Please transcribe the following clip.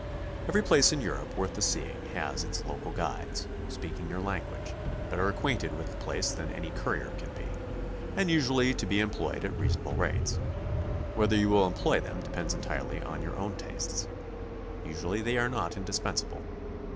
Every place in Europe worth the seeing has its local guides, speaking your language, better acquainted with the place than any courier can be, and usually to be employed at reasonable rates. Whether you will employ them de pends entirely on your own tastes. Usually they are not in dispensable.